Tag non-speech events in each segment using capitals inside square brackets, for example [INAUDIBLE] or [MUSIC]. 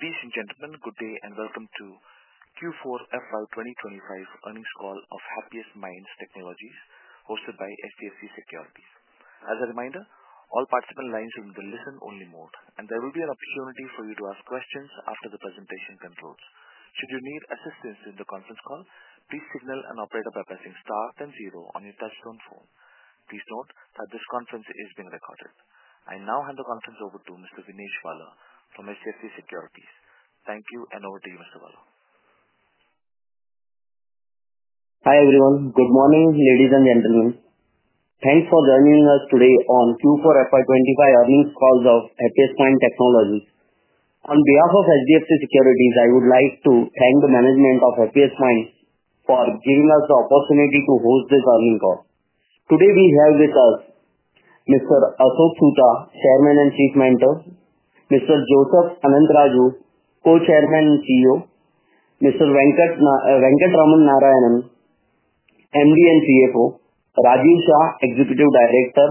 Ladies and gentlemen, good day and welcome to Q4FR 2025 earnings call of Happiest Minds Technologies, hosted by HDFC Securities. As a reminder, all participant lines are in the listen-only mode, and there will be an opportunity for you to ask questions after the presentation concludes. Should you need assistance during the conference call, please signal and operate by pressing star then zero on your touchstone phone. Please note that this conference is being recorded. I now hand the conference over to Mr. Vinesh Vala from HDFC Securities. Thank you, and over to you, Mr. Vala. Hi everyone. Good morning, ladies and gentlemen. Thanks for joining us today on Q4 FY 2025 earnings calls of Happiest Minds Technologies. On behalf of HDFC Securities, I would like to thank the management of Happiest Minds for giving us the opportunity to host this earnings call. Today we have with us Mr. Ashok Soota, Chairman and Chief Mentor; Mr. Joseph Anantharaju, Co-Chairman and CEO; Mr. Venkatraman Narayanan, MD and CFO; Rajiv Shah, Executive Director;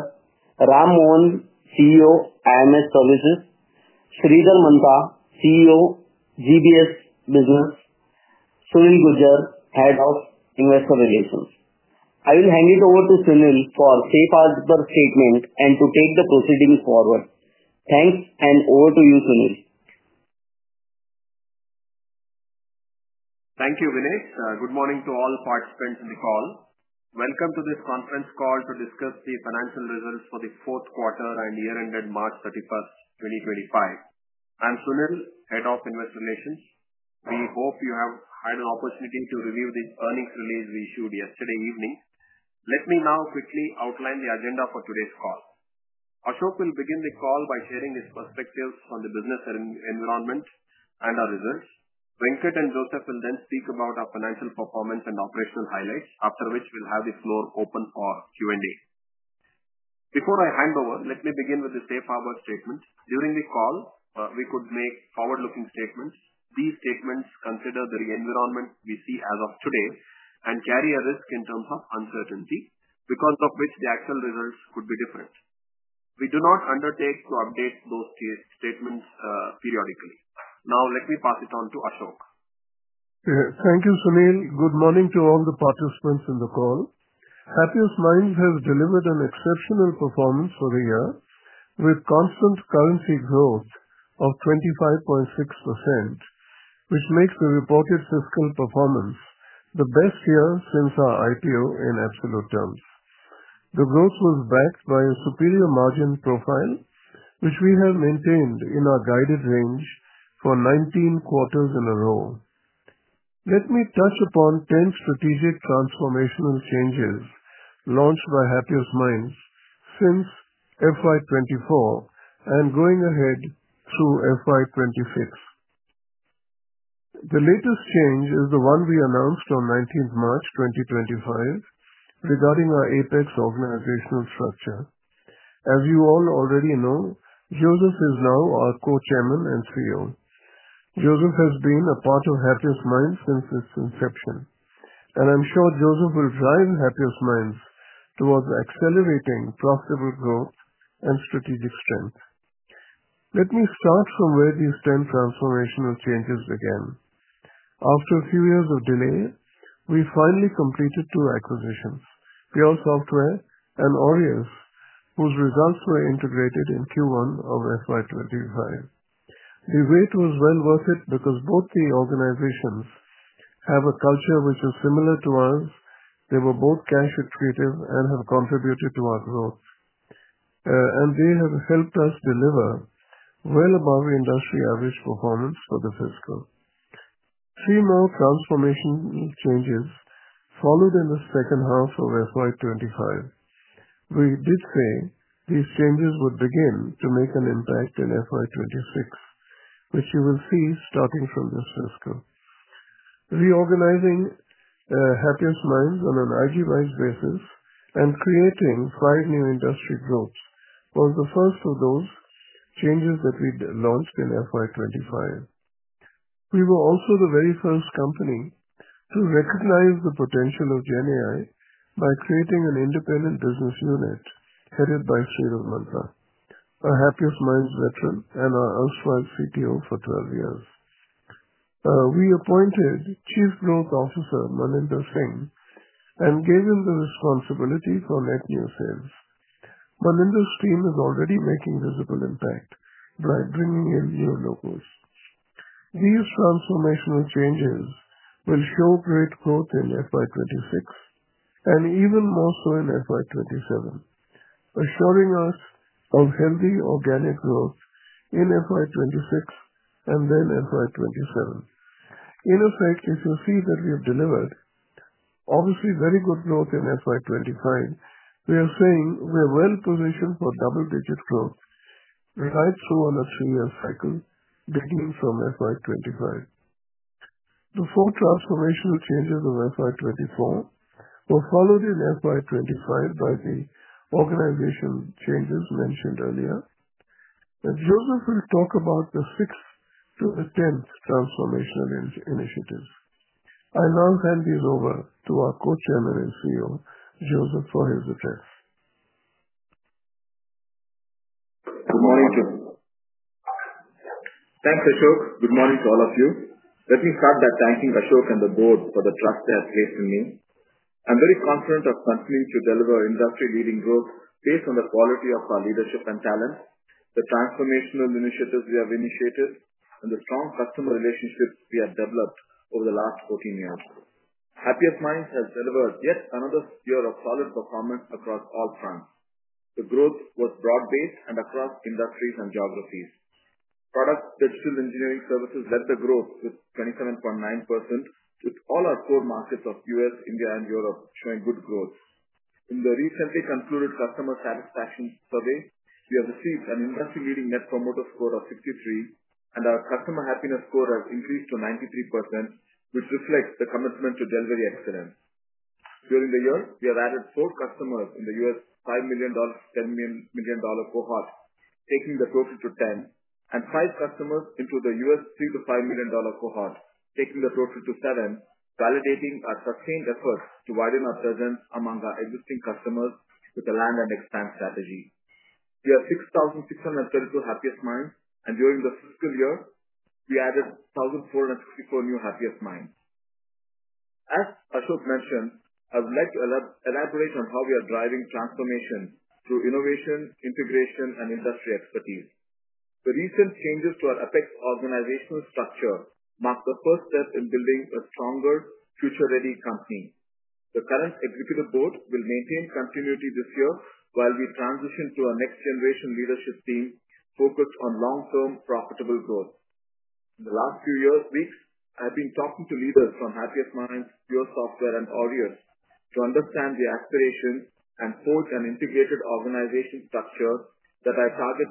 Ram Mohan, CEO, IMS Services; Sridhar Mantha, CEO, GBS Business; Sunil Gujjar, Head of Investor Relations. I will hand it over to Sunil for a safe harbor statement and to take the proceedings forward. Thanks and over to you, Sunil. Thank you, Vinesh. Good morning to all participants in the call. Welcome to this conference call to discuss the financial results for the fourth quarter and year-end date March 31, 2025. I'm Sunil, Head of Investor Relations. We hope you have had an opportunity to review the earnings release we issued yesterday evening. Let me now quickly outline the agenda for today's call. Ashok will begin the call by sharing his perspectives on the business environment and our results. Venkat and Joseph will then speak about our financial performance and operational highlights, after which we'll have the floor open for Q&A. Before I hand over, let me begin with a safe harbor statement. During the call, we could make forward-looking statements. These statements consider the environment we see as of today and carry a risk in terms of uncertainty, because of which the actual results could be different. We do not undertake to update those statements periodically. Now, let me pass it on to Ashok. Thank you, Sunil. Good morning to all the participants in the call. Happiest Minds has delivered an exceptional performance for the year, with constant currency growth of 25.6%, which makes the reported fiscal performance the best year since our IPO in absolute terms. The growth was backed by a superior margin profile, which we have maintained in our guided range for 19 quarters in a row. Let me touch upon 10 strategic transformational changes launched by Happiest Minds since FY 2024 and going ahead through FY 2026. The latest change is the one we announced on 19 March 2025 regarding our APEX organizational structure. As you all already know, Joseph is now our Co-Chairman and CEO. Joseph has been a part of Happiest Minds since its inception, and I am sure Joseph will drive Happiest Minds towards accelerating profitable growth and strategic strength. Let me start from where these 10 transformational changes began. After a few years of delay, we finally completed two acquisitions: PureSoftware and Aureus, whose results were integrated in Q1 of FY 2025. The wait was well worth it because both the organizations have a culture which is similar to ours. They were both cash-attributive and have contributed to our growth, and they have helped us deliver well above the industry average performance for the fiscal. Three more transformational changes followed in the second half of FY 2025. We did say these changes would begin to make an impact in FY 2026, which you will see starting from this fiscal. Reorganizing Happiest Minds on an IG-wise basis and creating five new industry groups was the first of those changes that we launched in FY 2025. We were also the very first company to recognize the potential of GenAI by creating an independent business unit headed by Sridhar Mantha, a Happiest Minds veteran and our erstwhile CTO for 12 years. We appointed Chief Growth Officer Maninder Singh and gave him the responsibility for net new sales. Maninder's team is already making a visible impact by bringing in new locals. These transformational changes will show great growth in FY 2026 and even more so in FY 2027, assuring us of healthy organic growth in FY 2026 and then FY 2027. In effect, if you see that we have delivered, obviously, very good growth in FY 2025, we are saying we are well positioned for double-digit growth right through our three-year cycle beginning from FY 2025. The four transformational changes of FY 2024 were followed in FY 2025 by the organization changes mentioned earlier. Joseph will talk about the sixth to the tenth transformational initiatives. I now hand these over to our Co-Chairman and CEO, Joseph, for his address. Good morning to. Thanks, Ashok. Good morning to all of you. Let me start by thanking Ashok and the board for the trust they have placed in me. I'm very confident of continuing to deliver industry-leading growth based on the quality of our leadership and talent, the transformational initiatives we have initiated, and the strong customer relationships we have developed over the last 14 years. Happiest Minds has delivered yet another year of solid performance across all fronts. The growth was broad-based and across industries and geographies. Product and Digital Engineering Services led the growth with 27.9%, with all our core markets of U.S., India, and Europe showing good growth. In the recently concluded customer satisfaction survey, we have received an industry-leading net promoter score of 63, and our customer happiness score has increased to 93%, which reflects the commitment to delivery excellence. During the year, we have added four customers in the $5 million-$10 million cohort, taking the total to 10, and five customers into the $3 million-$5 million cohort, taking the total to 7, validating our sustained efforts to widen our presence among our existing customers with a land and expand strategy. We are 6,632 Happiest Minds, and during the fiscal year, we added 1,464 new Happiest Minds. As Ashok mentioned, I would like to elaborate on how we are driving transformation through innovation, integration, and industry expertise. The recent changes to our APEX organizational structure mark the first step in building a stronger, future-ready company. The current executive board will maintain continuity this year while we transition to our next-generation leadership team focused on long-term profitable growth. In the last few weeks, I have been talking to leaders from Happiest Minds, PureSoftware, and Aureus to understand the aspirations and hold an integrated organization structure that I target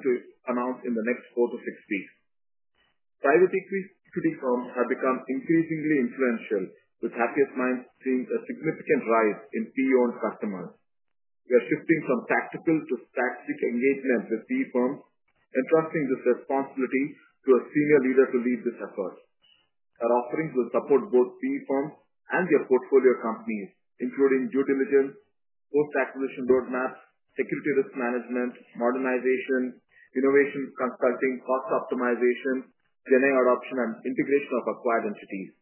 to announce in the next four to six weeks. Private equity firms have become increasingly influential, with Happiest Minds seeing a significant rise in PE-owned customers. We are shifting from tactical to strategic engagement with PE firms and trusting this responsibility to a senior leader to lead this effort. Our offerings will support both PE firms and their portfolio companies, including due diligence, post-acquisition roadmaps, security risk management, modernization, innovation consulting, cost optimization, GenAI adoption, and integration of acquired entities.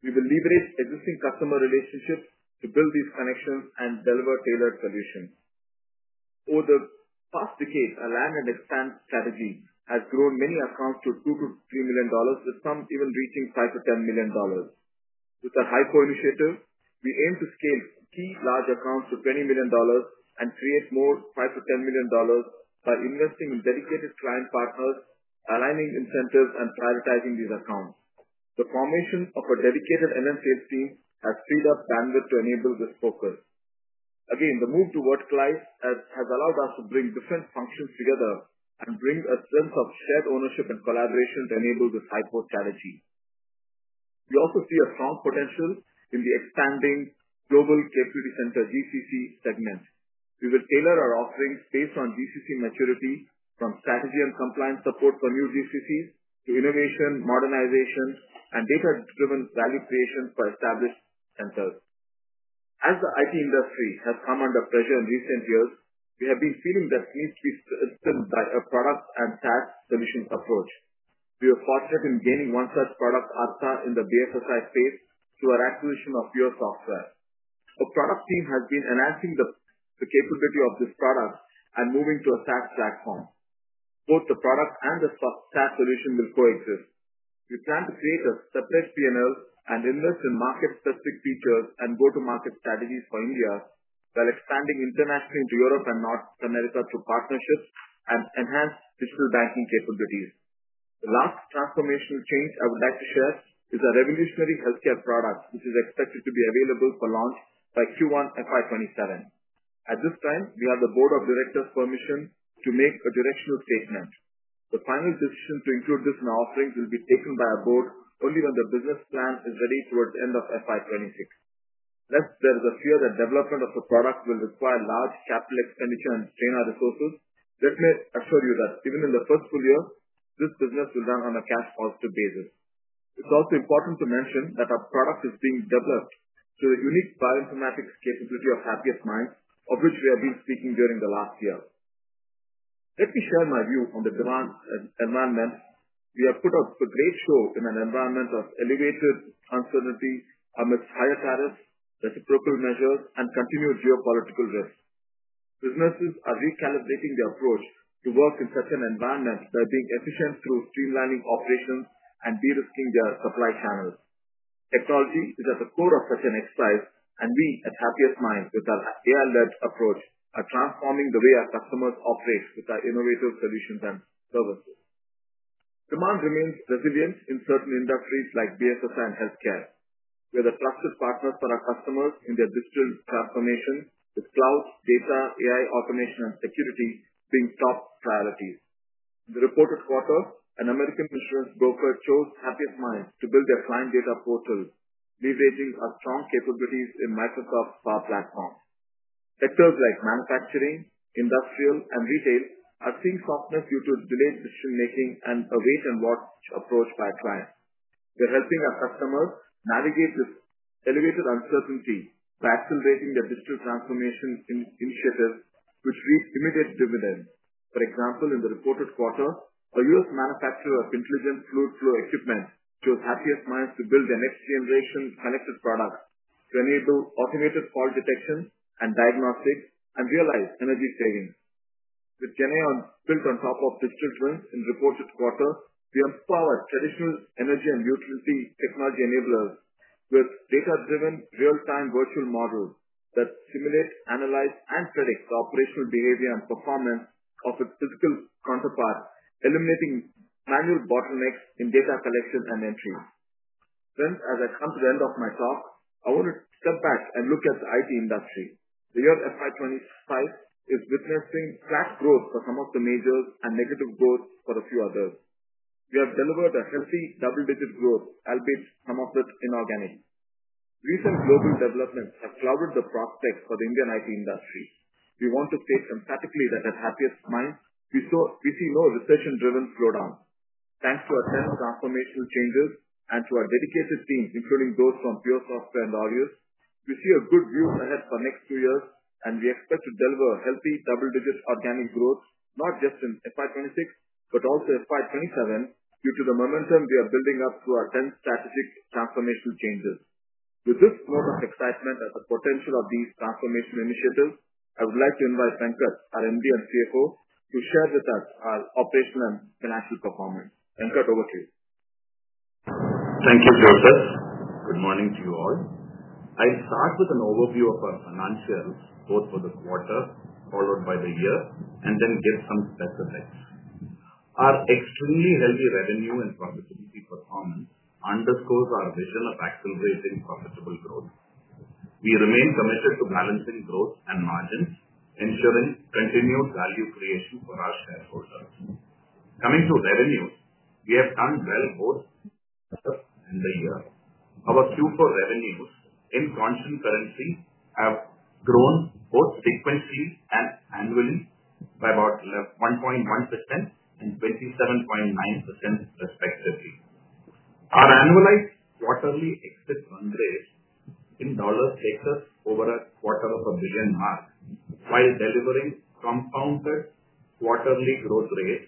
We will leverage existing customer relationships to build these connections and deliver tailored solutions. Over the past decade, our land and expand strategy has grown many accounts to $2-$3 million, with some even reaching $5-$10 million. With our hypo initiative, we aim to scale key large accounts to $20 million and create more $5-$10 million by investing in dedicated client partners, aligning incentives, and prioritizing these accounts. The formation of a dedicated M&S team has freed up bandwidth to enable this focus. Again, the move to verticalize has allowed us to bring different functions together and bring a sense of shared ownership and collaboration to enable this hypo strategy. We also see a strong potential in the expanding Global Capability Center, GCC segment. We will tailor our offerings based on GCC maturity, from strategy and compliance support for new GCCs to innovation, modernization, and data-driven value creation for established centers. As the IT industry has come under pressure in recent years, we have been feeling that needs to be strengthened by a product and SaaS solutions approach. We were fortunate in gaining one such product, Artha, in the BFSI space through our acquisition of PureSoftware. A product team has been enhancing the capability of this product and moving to a SaaS platform. Both the product and the SaaS solution will coexist. We plan to create a separate P&L and invest in market-specific features and go-to-market strategies for India while expanding internationally to Europe and North America through partnerships and enhanced digital banking capabilities. The last transformational change I would like to share is a revolutionary healthcare product, which is expected to be available for launch by Q1 FY 2027. At this time, we have the board of directors' permission to make a directional statement. The final decision to include this in our offerings will be taken by our board only when the business plan is ready towards the end of FY 2026. Lest there is a fear that development of the product will require large capital expenditure and strain our resources, let me assure you that even in the first full year, this business will run on a cash-positive basis. It's also important to mention that our product is being developed to the unique bioinformatics capability of Happiest Minds, of which we have been speaking during the last year. Let me share my view on the demand environment. We have put up a great show in an environment of elevated uncertainty amidst higher tariffs, reciprocal measures, and continued geopolitical risks. Businesses are recalibrating their approach to work in such an environment by being efficient through streamlining operations and de-risking their supply channels. Technology is at the core of such an exercise, and we at Happiest Minds, with our AI-led approach, are transforming the way our customers operate with our innovative solutions and services. Demand remains resilient in certain industries like BFSI and healthcare. We are the trusted partners for our customers in their digital transformation, with cloud, data, AI automation, and security being top priorities. In the reported quarter, an American insurance broker chose Happiest Minds to build their client data portal, leveraging our strong capabilities in Microsoft Power Platform. Sectors like manufacturing, industrial, and retail are seeing softness due to delayed decision-making and a wait-and-watch approach by clients. We are helping our customers navigate this elevated uncertainty by accelerating their digital transformation initiatives, which reap immediate dividends. For example, in the reported quarter, a U.S. manufacturer of intelligent fluid flow equipment chose Happiest Minds to build their next-generation connected product to enable automated fault detection and diagnostics and realize energy savings. With GenAI built on top of digital twins in the reported quarter, we empowered traditional energy and utility technology enablers with data-driven real-time virtual models that simulate, analyze, and predict the operational behavior and performance of its physical counterpart, eliminating manual bottlenecks in data collection and entry. As I come to the end of my talk, I want to step back and look at the IT industry. The year 2025 is witnessing flat growth for some of the majors and negative growth for a few others. We have delivered a healthy double-digit growth, albeit some of it inorganic. Recent global developments have clouded the prospects for the Indian IT industry. We want to state emphatically that at Happiest Minds, we see no recession-driven slowdowns. Thanks to our 10 transformational changes and to our dedicated team, including those from PureSoftware and Aureus, we see a good view ahead for the next two years, and we expect to deliver a healthy double-digit organic growth not just in FY 2026 but also FY 2027 due to the momentum we are building up through our 10 strategic transformational changes. With this note of excitement at the potential of these transformational initiatives, I would like to invite Venkat, our MD and CFO, to share with us our operational and financial performance. Venkat, over to you. Thank you, Joseph. Good morning to you all. I'll start with an overview of our financials both for the quarter followed by the year and then give some specifics. Our extremely healthy revenue and profitability performance underscores our vision of accelerating profitable growth. We remain committed to balancing growth and margins, ensuring continued value creation for our shareholders. Coming to revenues, we have done well both year and year. Our Q4 revenues in constant currency have grown both sequentially and annually by about 1.1% and 27.9%, respectively. Our annualized quarterly exit run rate in dollars takes us over a quarter of a billion mark, while delivering compounded quarterly growth rate,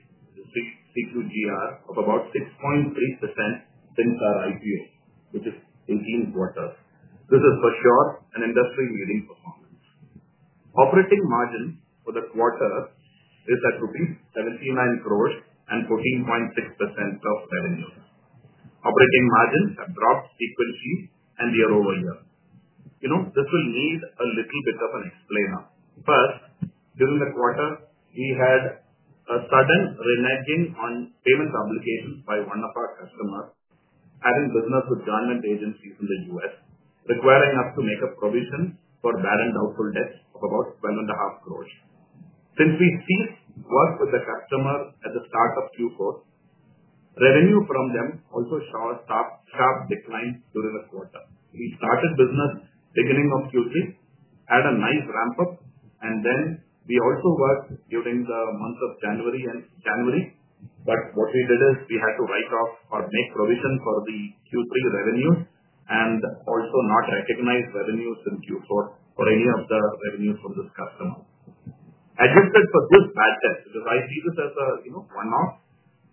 CQGR, of about 6.3% since our IPO, which is 18 quarters. This is for sure an industry-leading performance. Operating margin for the quarter is at rupees 790 million and 14.6% of revenues. Operating margins have dropped sequentially and year over year. You know, this will need a little bit of an explainer. First, during the quarter, we had a sudden reneging on payment obligations by one of our customers, having business with government agencies in the U.S., requiring us to make a provision for bad and doubtful debts of about 12.5 million. Since we ceased work with the customer at the start of Q4, revenue from them also saw a sharp decline during the quarter. We started business beginning of Q3, had a nice ramp-up, and then we also worked during the month of January and January. What we did is we had to write off or make provision for the Q3 revenues and also not recognize revenues in Q4 or any of the revenues from this customer. Adjusted for this bad debt, because I see this as a, you know, one-off,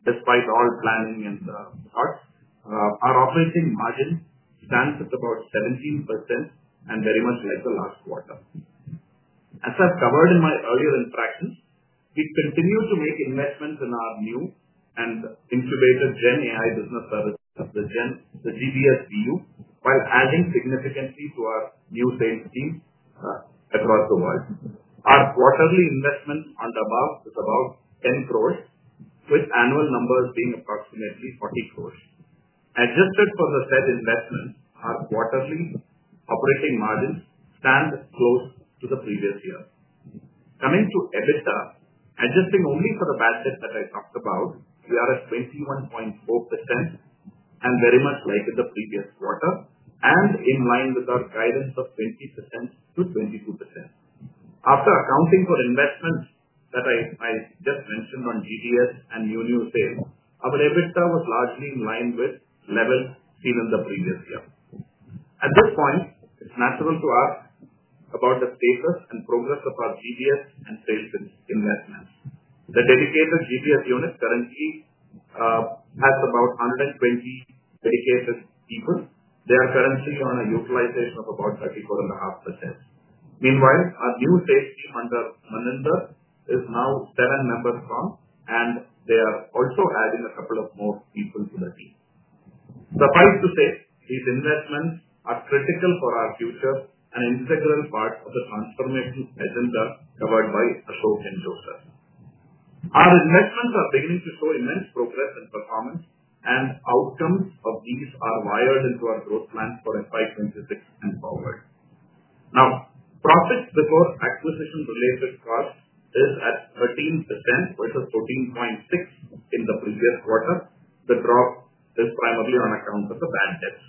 despite all planning and the thoughts, our operating margin stands at about 17% and very much like the last quarter. As I've covered in my earlier interactions, we continue to make investments in our new and incubated GenAI business services, the GBS VU, while adding significantly to our new sales teams across the world. Our quarterly investment on the above is about 10 crores, with annual numbers being approximately 40 crores. Adjusted for the said investments, our quarterly operating margins stand close to the previous year. Coming to EBITDA, adjusting only for the bad debt that I talked about, we are at 21.4% and very much like in the previous quarter and in line with our guidance of 20%-22%. After accounting for investments that I just mentioned on GBS and new sales, our EBITDA was largely in line with levels seen in the previous year. At this point, it's natural to ask about the status and progress of our GBS and sales investments. The dedicated GBS unit currently has about 120 dedicated people. They are currently on a utilization of about 34.5%. Meanwhile, our new sales team under Maninder is now seven members strong, and they are also adding a couple of more people to the team. Suffice to say, these investments are critical for our future and integral part of the transformation agenda covered by Ashok and Joseph. Our investments are beginning to show immense progress and performance, and outcomes of these are wired into our growth plan for FY 2026 and forward. Now, profit before acquisition-related cost is at 13% versus 14.6% in the previous quarter. The drop is primarily on account of the bad debts.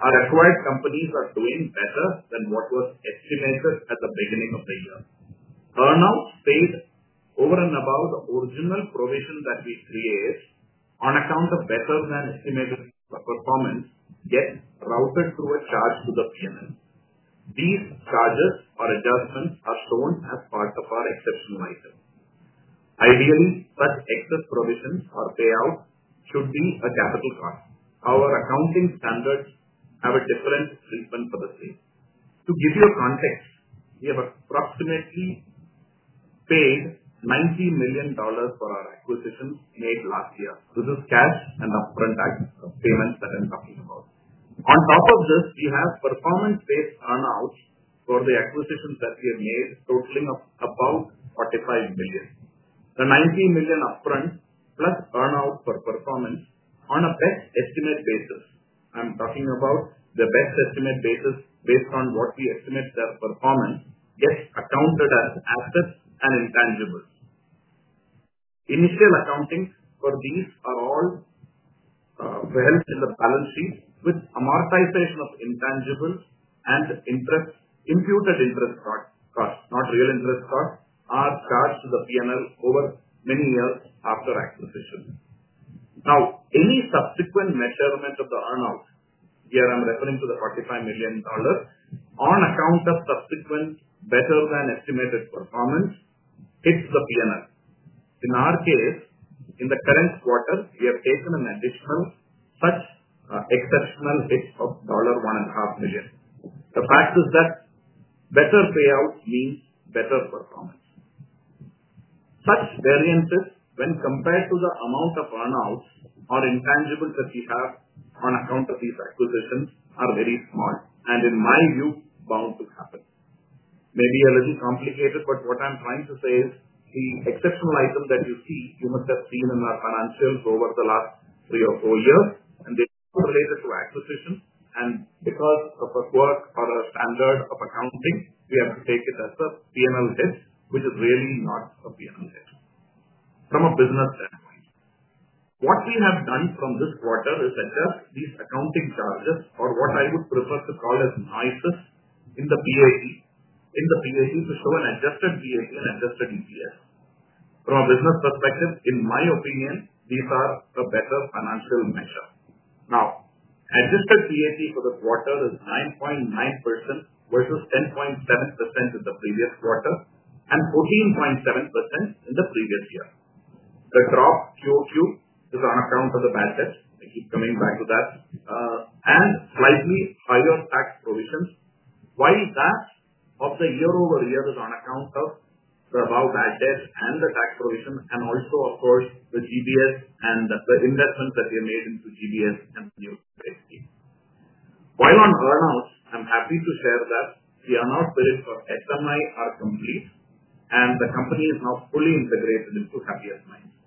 Our acquired companies are doing better than what was estimated at the beginning of the year. Earn-outs paid over and above the original provision that we created on account of better than estimated performance get routed through a charge to the P&L. These charges or adjustments are shown as part of our exceptional item. Ideally, such excess provisions or payouts should be a capital cost. Our accounting standards have a different treatment for the same. To give you a context, we have approximately paid $90 million for our acquisitions made last year. This is cash and upfront payments that I'm talking about. On top of this, we have performance-based earn-outs for the acquisitions that we have made, totaling about $45 million. The $90 million upfront plus earn-outs for performance on a best estimate basis—I'm talking about the best estimate basis based on what we estimate their performance—gets accounted as assets and intangibles. Initial accounting for these are all held in the balance sheet, with amortization of intangibles and interest, imputed interest cost, not real interest cost, are charged to the P&L over many years after acquisition. Now, any subsequent measurement of the earn-outs—here I'm referring to the $45 million—on account of subsequent better than estimated performance hits the P&L. In our case, in the current quarter, we have taken an additional such exceptional hit of $1.5 million. The fact is that better payout means better performance. Such variances, when compared to the amount of earn-outs or intangibles that we have on account of these acquisitions, are very small and, in my view, bound to happen. Maybe a little complicated, but what I'm trying to say is the exceptional item that you see, you must have seen in our financials over the last three or four years, and they are related to acquisition. Because of a quirk or a standard of accounting, we have to take it as a P&L hit, which is really not a P&L hit from a business standpoint. What we have done from this quarter is adjust these accounting charges or what I would prefer to call as noises in the PAT, in the PAT to show an adjusted PAT and adjusted EPS. From a business perspective, in my opinion, these are a better financial measure. Now, adjusted PAT for the quarter is 9.9% versus 10.7% in the previous quarter and 14.7% in the previous year. The drop Q2 is on account of the bad debts. I keep coming back to that and slightly higher tax provisions. While that of the year over year is on account of the above bad debts and the tax provision and also, of course, the GBS and the investments that we have made into GBS and new sales team. While on earn-outs, I'm happy to share that the earn-out pillars for SMI are complete and the company is now fully integrated into Happiest Minds.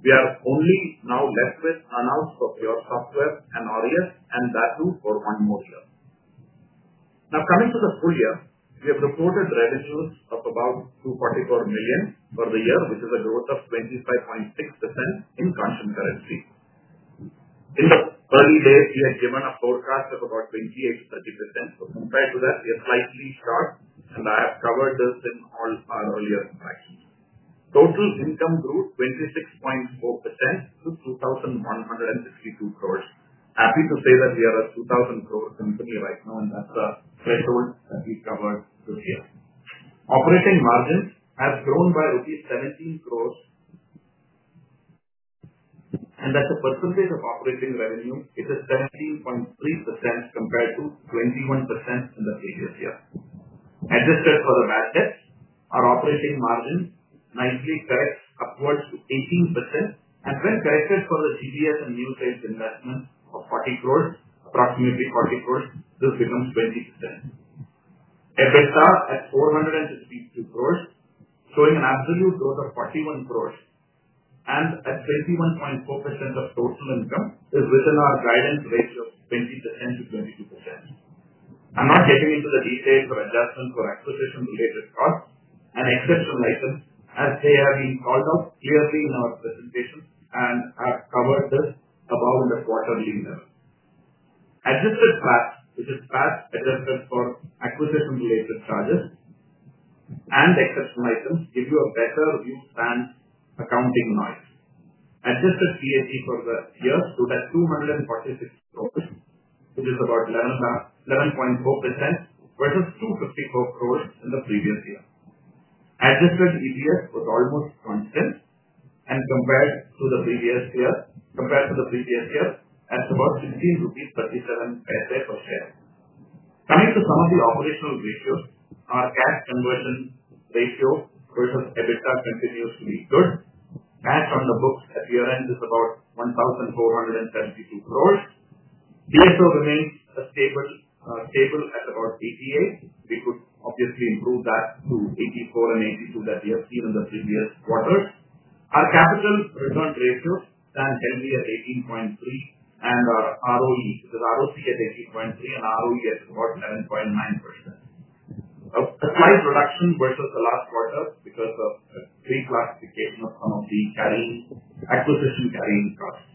We are only now left with earn-outs for PureSoftware and Aureus and that too for one more year. Now, coming to the full year, we have reported revenues of about $244 million for the year, which is a growth of 25.6% in constant currency. In the early days, we had given a forecast of about 28%-30%. Compared to that, we are slightly sharp, and I have covered this in all our earlier interactions. Total income grew 26.4% to 2,162 crores. Happy to say that we are a 2,000 crores company right now, and that's a threshold that we covered this year. Operating margins have grown by rupees 17 crores, and as a percentage of operating revenue, it is 17.3% compared to 21% in the previous year. Adjusted for the bad debts, our operating margin nicely corrects upwards to 18%, and when corrected for the GBS and new sales investments of 40 crores, approximately 40 crores, this becomes 20%. EBITDA at 462 crores, showing an absolute growth of 41 crores, and at 21.4% of total income is within our guidance range of 20%-22%. I'm not getting into the details of adjustment for acquisition-related costs and exceptional items, as they have been called out clearly in our presentations and have covered this above the quarterly level. Adjusted PAT, which is PAT adjusted for acquisition-related charges and exceptional items, gives you a better view than accounting noise. Adjusted PAT for the year stood at 246 crores, which is about 11.4% versus 254 crores in the previous year. Adjusted EPS was almost constant and compared to the previous year, at about 16.37 rupees per share. Coming to some of the operational ratios, our cash conversion ratio versus EBITDA continues to be good. Cash on the books at year-end is about 1,472 croress. BSO remains stable at about 88. We could obviously improve that to 84 and 82 that we have seen in the previous quarters. Our capital return ratio stands healthy at 18.3%, and our ROE, which is ROC at 18.3%, and ROE at about 7.9%. A slight reduction versus the last quarter because of a reclassification of some of the carrying acquisition carrying costs.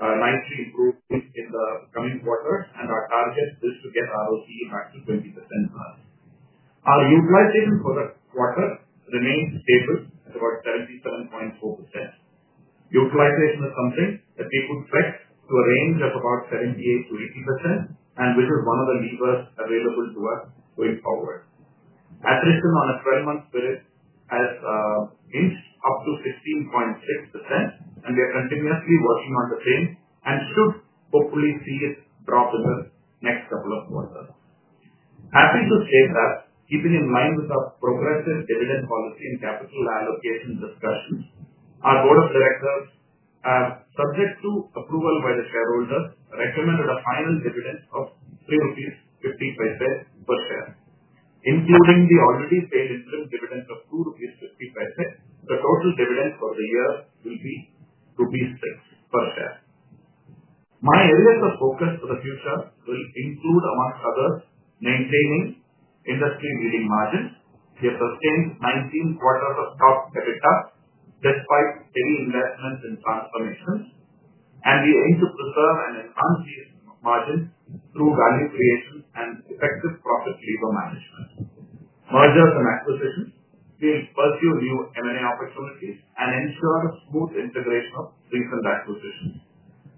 We should see this nicely improving in the coming quarters, and our target is to get ROC back to 20% plus. Our utilization for the quarter remains stable at about 77.4%. Utilization is something that we could flex to a range of about 78%-80%, and which is one of the levers available to us going forward. Attrition on a 12-month period has inched up to 16.6%, and we are continuously working on the same and should hopefully see it drop in the next couple of quarters. Happy to state that, keeping in line with our progressive dividend policy and capital allocation discussions, our Board of Directors, subject to approval by the shareholders, recommended a final dividend of 3.50 rupees per share. Including the already paid interim dividend of 2.50 rupees per share, the total dividend for the year will be rupees 6 per share. My areas of focus for the future will include, amongst others, maintaining industry-leading margins. We have sustained 19 quarters of top EBITDA despite heavy investments in transformations, and we aim to preserve and enhance these margins through value creation and effective profit lever management. Mergers and acquisitions, we will pursue new M&A opportunities and ensure smooth integration of recent acquisitions.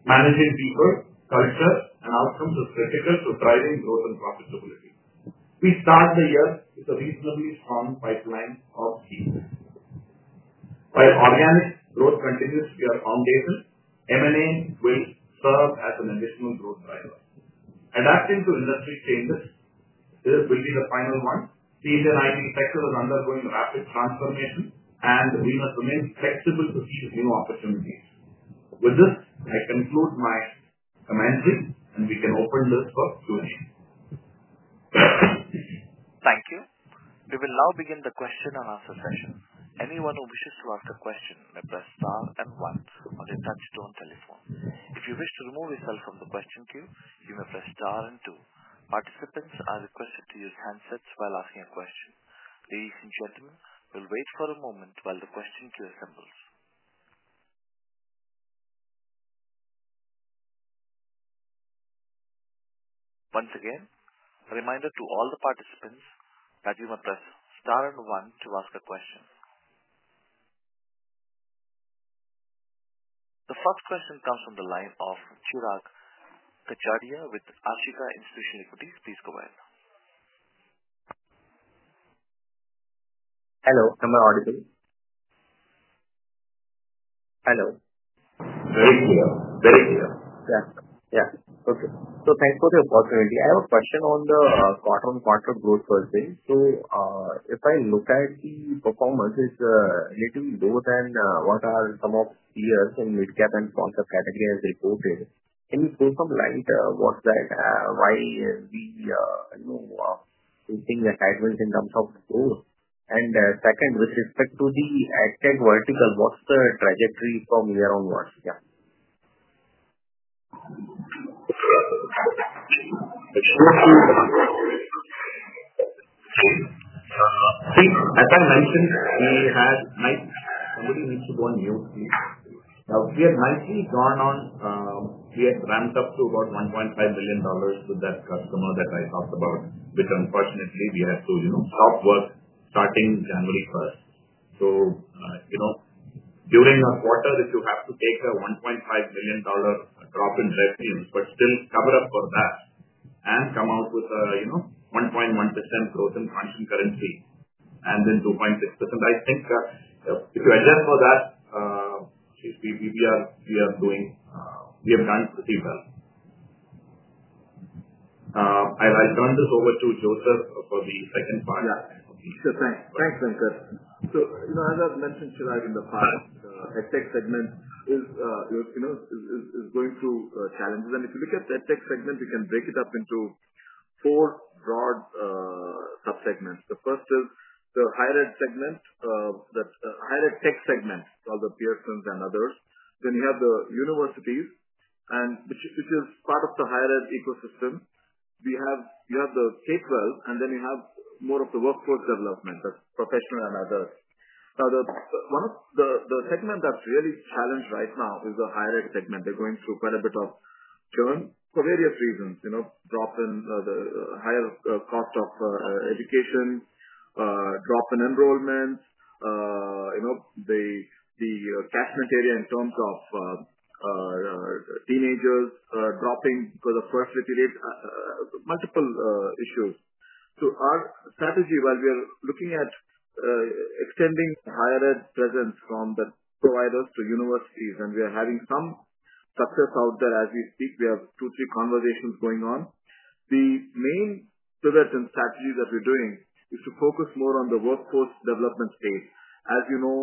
Managing people, culture, and outcomes is critical to driving growth and profitability. We start the year with a reasonably strong pipeline of keys. While organic growth continues to be our foundation, M&A will serve as an additional growth driver. Adapting to industry changes will be the final one. P&L IT sector is undergoing rapid transformation, and we must remain flexible to seize new opportunities. With this, I conclude my commentary, and we can open this for Q&A. Thank you. We will now begin the question and answer session. Anyone who wishes to ask a question may press star and one on the touchstone telephone. If you wish to remove yourself from the question queue, you may press star and two. Participants are requested to use handsets while asking a question. Ladies and gentlemen, we'll wait for a moment while the question queue assembles. Once again, a reminder to all the participants that you may press star and one to ask a question. The first question comes from the line of Chirag Kachhadiya with Ashika Institutional Equities. Please go ahead. Hello. I'm audible. Hello. Very clear. Very clear. Yeah. Yeah. Okay. Thanks for the opportunity. I have a question on the quarter-on-quarter growth per se. If I look at the performance, it's a little lower than what are some of the years in mid-cap and small-cap category as reported. Can you throw some light? What's that? Why is the, you know, we're seeing a headwind in terms of growth? Second, with respect to the ag tech vertical, what's the trajectory from here onwards? Yeah. See, as I mentioned, we had nice—somebody needs to go on mute, please. Now, we had nicely gone on. We had ramped up to about $1.5 million with that customer that I talked about, which unfortunately we had to, you know, stop work starting January 1st. So, you know, during a quarter, if you have to take a $1.5 million drop in revenues but still cover up for that and come out with a, you know, 1.1% growth in constant currency and then 2.6%, I think if you adjust for that, we are doing—we have done pretty well. I'll turn this over to Joseph for the second part. Yeah. Sure. Thanks. Thanks, Venkat. So, you know, as I've mentioned, Chirag, in the past, ag tech segment is, you know, is going through challenges. And if you look at ag tech segment, you can break it up into four broad subsegments. The first is the higher ed segment, that higher ed tech segment, called the Pearsons and others. Then you have the universities, which is part of the higher ed ecosystem. We have the K-12, and then you have more of the workforce development, that's professional and others. Now, one of the segments that's really challenged right now is the higher ed segment. They're going through quite a bit of churn for various reasons, you know, drop in the higher cost of education, drop in enrollment, you know, the cash material in terms of teenagers dropping because of birth retardation, multiple issues. Our strategy, while we are looking at extending higher ed presence from the providers to universities, and we are having some success out there as we speak. We have two, three conversations going on. The main pivot and strategy that we're doing is to focus more on the workforce development space. As you know,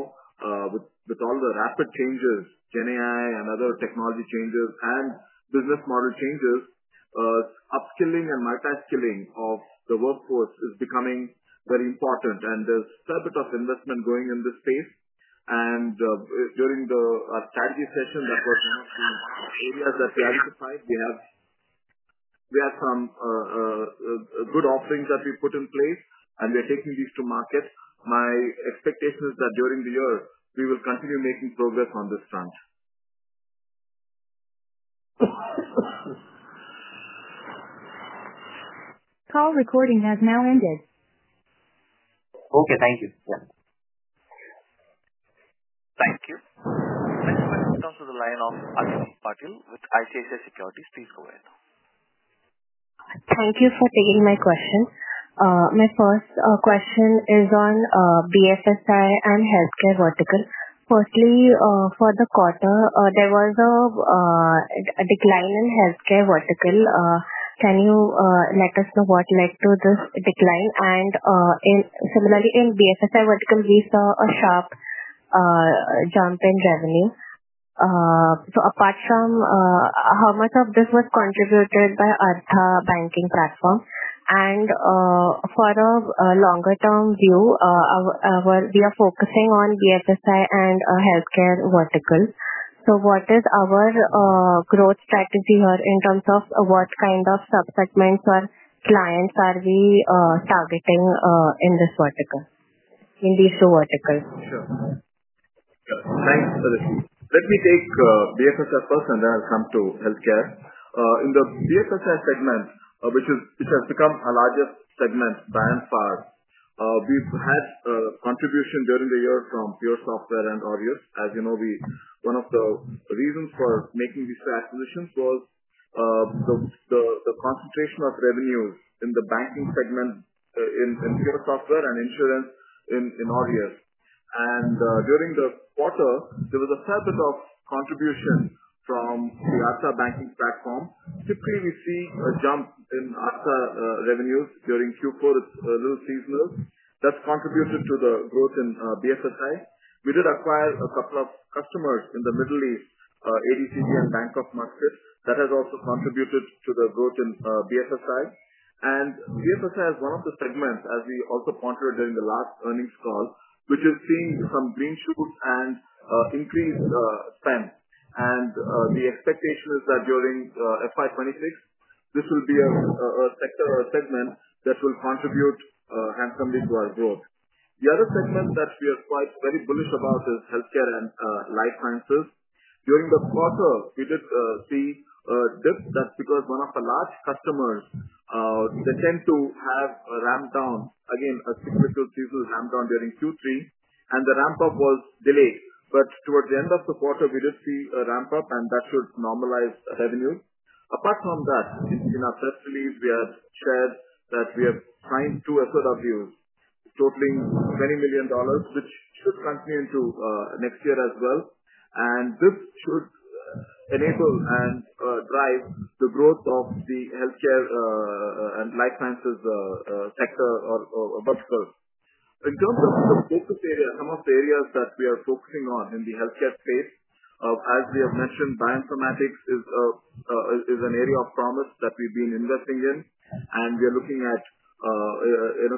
with all the rapid changes, GenAI and other technology changes and business model changes, upskilling and multi-skilling of the workforce is becoming very important. There is quite a bit of investment going in this space. During the strategy session, that was one of the areas that we identified. We have some good offerings that we put in place, and we are taking these to market. My expectation is that during the year, we will continue making progress on this front. Call recording has now ended. Okay. Thank you. Yeah. Thank you. Next question comes from the line of [Aditi] Patil with ICICI Securities. Please go ahead. Thank you for taking my question. My first question is on BFSI and healthcare vertical. Firstly, for the quarter, there was a decline in healthcare vertical. Can you let us know what led to this decline? Similarly, in BFSI vertical, we saw a sharp jump in revenue. Apart from how much of this was contributed by Artha Banking Platform, and for a longer-term view, we are focusing on BFSI and healthcare vertical. What is our growth strategy here in terms of what kind of subsegments or clients are we targeting in this vertical, in these two verticals? Sure. Yeah. Thanks for the feed. Let me take BFSI first, and then I'll come to healthcare. In the BFSI segment, which has become our largest segment by and far, we've had contributions during the year from PureSoftware and Aureus. As you know, one of the reasons for making these acquisitions was the concentration of revenues in the banking segment in PureSoftware and insurance in Aureus. During the quarter, there was a fair bit of contribution from the Artha Banking Platform. Typically, we see a jump in Artha revenues during Q4. It's a little seasonal. That's contributed to the growth in BFSI. We did acquire a couple of customers in the Middle East, ADCG and Bangkok market. That has also contributed to the growth in BFSI. BFSI is one of the segments, as we also pondered during the last earnings call, which is seeing some green shoots and increased spend. The expectation is that during FY 2026, this will be a sector or segment that will contribute handsomely to our growth. The other segment that we are quite very bullish about is healthcare and life sciences. During the quarter, we did see a dip, that's because one of our large customers, they tend to have a ramp down, again, a cyclical seasonal ramp down during Q3, and the ramp up was delayed. Towards the end of the quarter, we did see a ramp up, and that should normalize revenue. Apart from that, in our press release, we have shared that we have signed two SOWs, totaling $20 million, which should continue into next year as well. This should enable and drive the growth of the healthcare and life sciences sector or vertical. In terms of the focus area, some of the areas that we are focusing on in the healthcare space, as we have mentioned, bioinformatics is an area of promise that we've been investing in, and we are looking at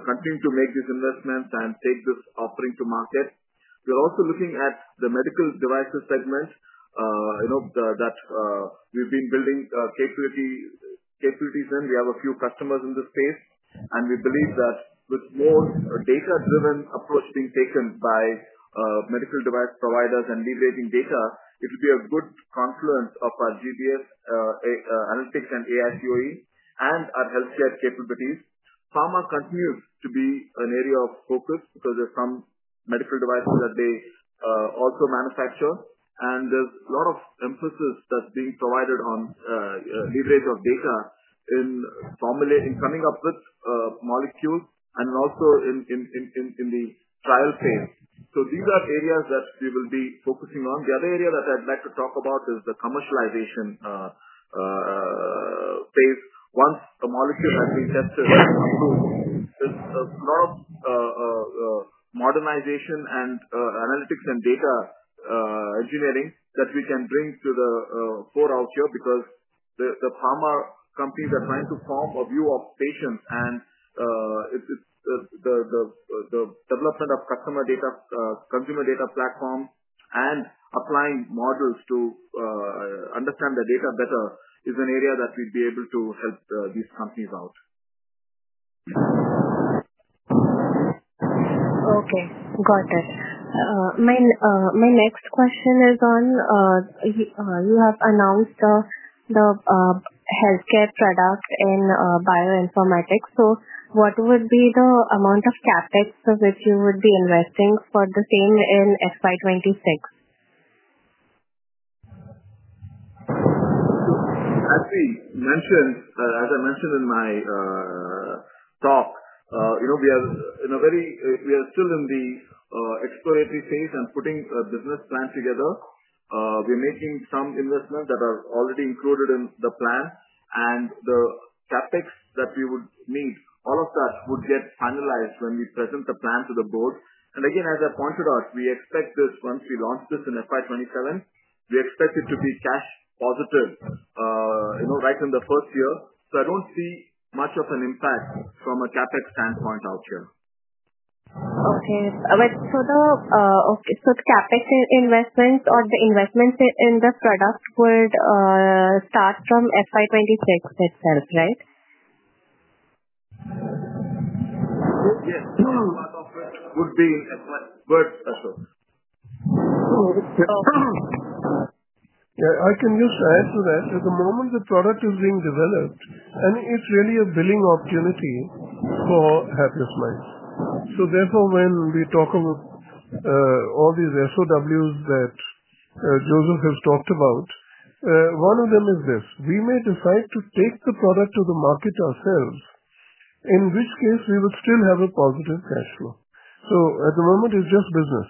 continuing to make these investments and take this offering to market. We're also looking at the medical devices segment, you know, that we've been building capabilities in. We have a few customers in this space, and we believe that with more data-driven approach being taken by medical device providers and leveraging data, it would be a good confluence of our GBS analytics and AICOE and our healthcare capabilities. Pharma continues to be an area of focus because there's some medical devices that they also manufacture, and there's a lot of emphasis that's being provided on leverage of data in formulating, coming up with molecules, and also in the trial phase. These are areas that we will be focusing on. The other area that I'd like to talk about is the commercialization phase. Once a molecule has been tested and approved, there's a lot of modernization and analytics and data engineering that we can bring to the fore out here because the pharma companies are trying to form a view of patients, and the development of customer data, consumer data platform, and applying models to understand the data better is an area that we'd be able to help these companies out. Okay. Got it. My next question is on you have announced the healthcare product in bioinformatics. So what would be the amount of CapEx which you would be investing for the same in FY 2026? As we mentioned, as I mentioned in my talk, you know, we are in a very—we are still in the exploratory phase and putting a business plan together. We're making some investments that are already included in the plan, and the CapEx that we would need, all of that would get finalized when we present the plan to the board. As I pointed out, we expect this once we launch this in FY 2027. We expect it to be cash positive, you know, right in the first year. I do not see much of an impact from a CapEx standpoint out here. Okay. So the CapEx investments or the investments in the product would start from FY 2026 itself, right? Yes. A lot of it would be in FY. But Ashok? Yeah. I can just add to that. At the moment, the product is being developed, and it's really a billing opportunity for Happiest Minds. Therefore, when we talk of all these SOWs that Joseph has talked about, one of them is this: we may decide to take the product to the market ourselves, in which case we would still have a positive cash flow. At the moment, it's just business.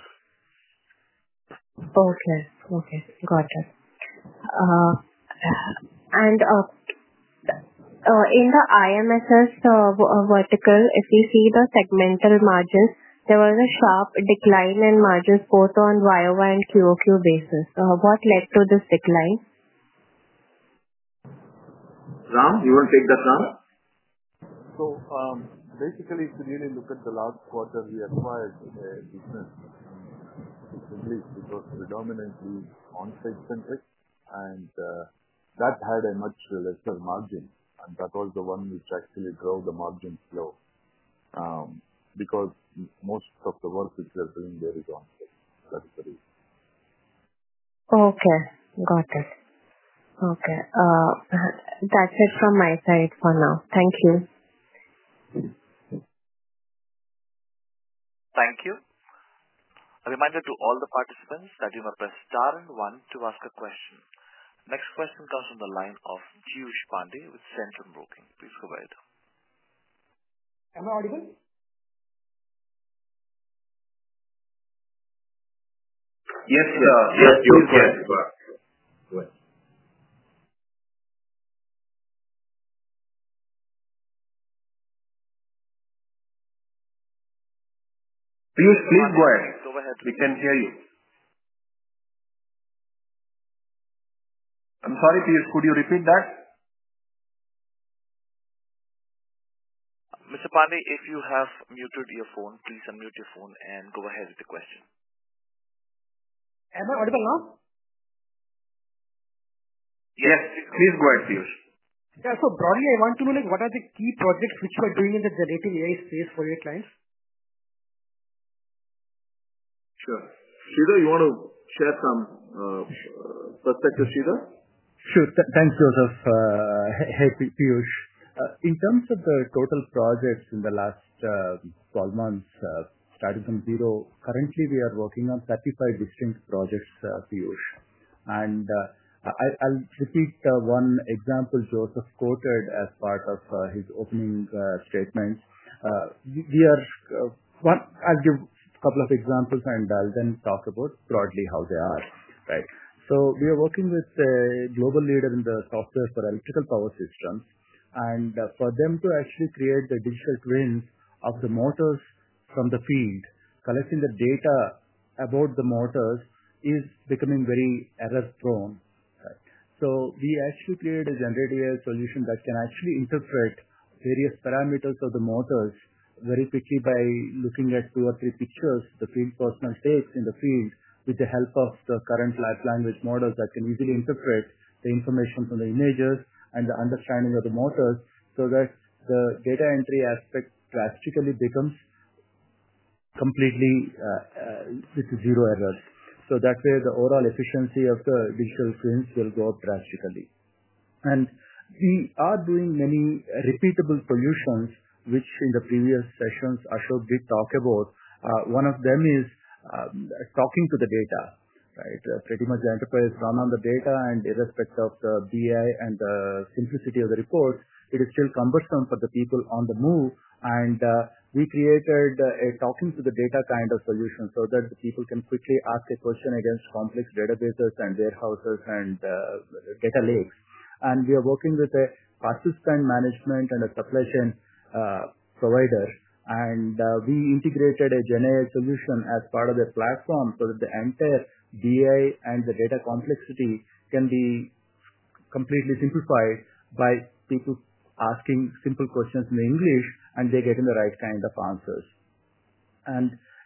Okay. Okay. Got it. In the IMSS vertical, if we see the segmental margins, there was a sharp decline in margins both on year-over-year and quarter-over-quarter basis. What led to this decline? Ram? You want to take that, Ram? Basically, if you really look at the last quarter, we acquired business in Greece because predominantly on-site-centric, and that had a much lesser margin. That was the one which actually drove the margin flow because most of the work which we are doing there is on-site. That is the reason. Okay. Got it. Okay. That's it from my side for now. Thank you. Thank you. A reminder to all the participants that you may press star and one to ask a question. Next question comes from the line of Piyush Pandey with Centrum Broking. Please go ahead. Am I audible? Yes, sir. Yes, you can. Go ahead. Piyush, please go ahead. We can hear you. I'm sorry, Piyush, could you repeat that? Mr. Pandey, if you have muted your phone, please unmute your phone and go ahead with the question. Am I audible now? Yes. Please go ahead, Piyush. Yeah. So broadly, I want to know what are the key projects which you are doing in the generative AI space for your clients? Sure. Sridhar, you want to share some perspective, Sridhar? Sure. Thanks, Joseph. Hey, Piyush. In terms of the total projects in the last 12 months, starting from zero, currently, we are working on 35 distinct projects, Piyush. I will repeat one example Joseph quoted as part of his opening statement. I will give a couple of examples, and I will then talk about broadly how they are, right? We are working with a global leader in the software for electrical power systems. For them to actually create the digital twins of the motors from the field, collecting the data about the motors is becoming very error-prone, right? We actually created a generative AI solution that can interpret various parameters of the motors very quickly by looking at two or three pictures the field personnel takes in the field with the help of the current live language models that can easily interpret the information from the images and the understanding of the motors, so that the data entry aspect drastically becomes completely with zero errors. That way, the overall efficiency of the digital twins will go up drastically. We are doing many repeatable solutions, which in the previous sessions, Ashok did talk about. One of them is talking to the data, right? Pretty much the enterprise runs on the data, and irrespective of the BI and the simplicity of the report, it is still cumbersome for the people on the move. We created a talking-to-the-data kind of solution so that people can quickly ask a question against complex databases and warehouses and data lakes. We are working with a cost-to-spend management and a supply chain provider. We integrated a GenAI solution as part of the platform so that the entire BI and the data complexity can be completely simplified by people asking simple questions in English, and they are getting the right kind of answers.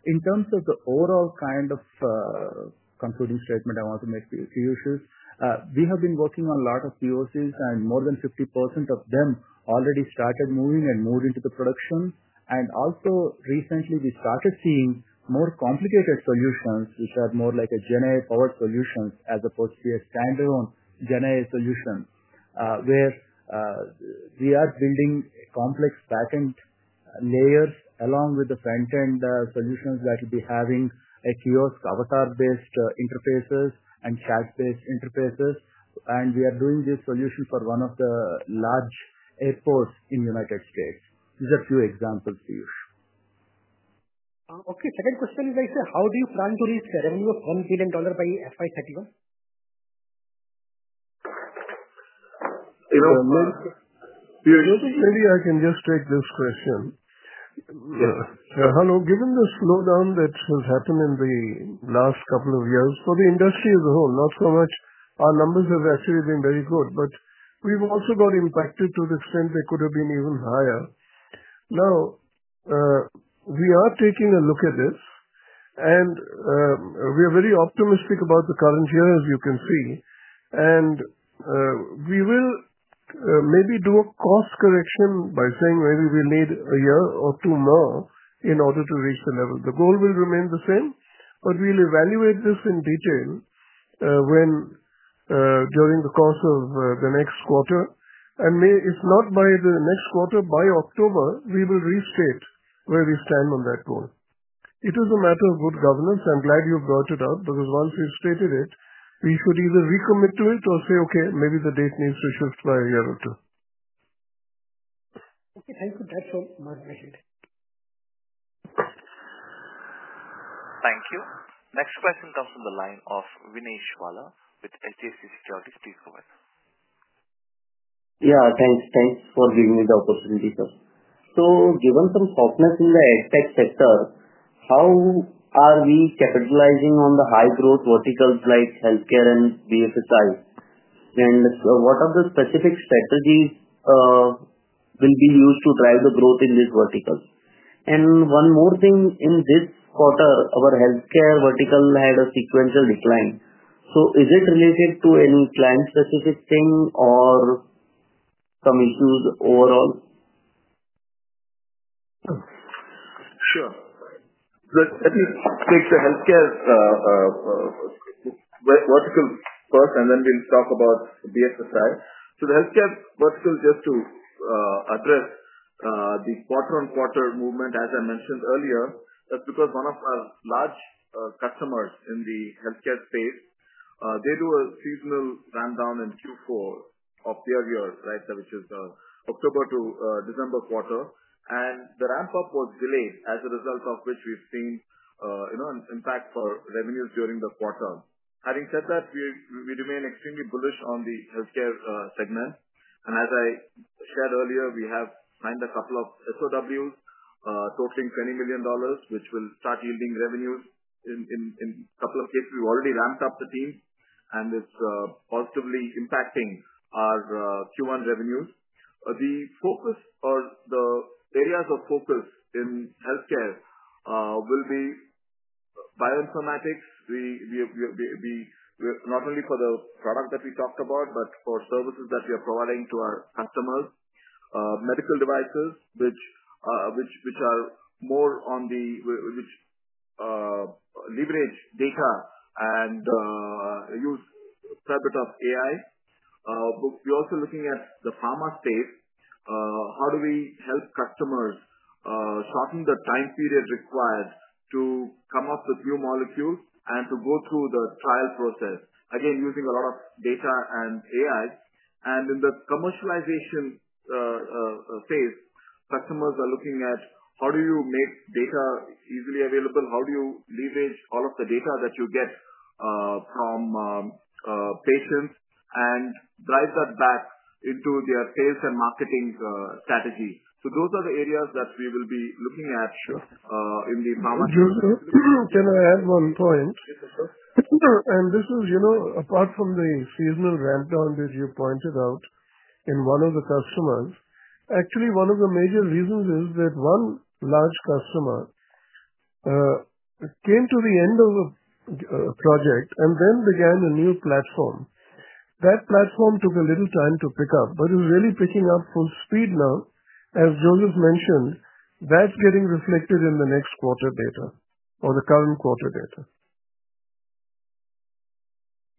In terms of the overall kind of concluding statement I want to make, Piyush, we have been working on a lot of POCs, and more than 50% of them already started moving and moved into production. Recently, we started seeing more complicated solutions, which are more like GenAI-powered solutions as opposed to a standalone GenAI solution, where we are building complex backend layers along with the front-end solutions that will be having a kiosk avatar-based interfaces and chat-based interfaces. We are doing this solution for one of the large airports in the United States. These are a few examples, Piyush. Okay. Second question is, I said, how do you plan to reach the revenue of $1 billion by FY 2031? You know, maybe I can just take this question. Yeah. So, hello, given the slowdown that has happened in the last couple of years for the industry as a whole, not so much, our numbers have actually been very good, but we've also got impacted to the extent they could have been even higher. Now, we are taking a look at this, and we are very optimistic about the current year, as you can see. We will maybe do a cost correction by saying maybe we'll need a year or two more in order to reach the level. The goal will remain the same, but we'll evaluate this in detail during the course of the next quarter. If not by the next quarter, by October, we will restate where we stand on that goal. It is a matter of good governance. I'm glad you brought it up because once we've stated it, we should either recommit to it or say, "Okay, maybe the date needs to shift by a year or two. Okay. Thank you. That's all my question. Thank you. Next question comes from the line of Vinesh Vala, with HDFC Securities. Please go ahead. Yeah. Thanks. Thanks for giving me the opportunity, sir. Given some softness in the edtech sector, how are we capitalizing on the high-growth verticals like healthcare and BFSI? What are the specific strategies that will be used to drive the growth in these verticals? One more thing, in this quarter, our healthcare vertical had a sequential decline. Is it related to any client-specific thing or some issues overall? Sure. Let me take the healthcare vertical first, and then we'll talk about BFSI. The healthcare vertical, just to address the quarter-on-quarter movement, as I mentioned earlier, that's because one of our large customers in the healthcare space, they do a seasonal rundown in Q4 of their years, right, which is the October to December quarter. The ramp-up was delayed, as a result of which we've seen an impact for revenues during the quarter. Having said that, we remain extremely bullish on the healthcare segment. As I shared earlier, we have signed a couple of SOWs totaling $20 million, which will start yielding revenues in a couple of cases. We've already ramped up the team, and it's positively impacting our Q1 revenues. The focus or the areas of focus in healthcare will be bioinformatics, not only for the product that we talked about, but for services that we are providing to our customers, medical devices, which are more on the which leverage data and use quite a bit of AI. We are also looking at the pharma space. How do we help customers shorten the time period required to come up with new molecules and to go through the trial process, again, using a lot of data and AI? In the commercialization phase, customers are looking at how do you make data easily available? How do you leverage all of the data that you get from patients and drive that back into their sales and marketing strategy? Those are the areas that we will be looking at in the pharma sector. Joseph, can I add one point? Yes, sir. This is, you know, apart from the seasonal ramp-down that you pointed out in one of the customers. Actually, one of the major reasons is that one large customer came to the end of a project and then began a new platform. That platform took a little time to pick up, but it is really picking up full speed now. As Joseph mentioned, that is getting reflected in the next quarter data or the current quarter data.